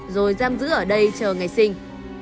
rồi giam giữ ở đây chờ ngày sinh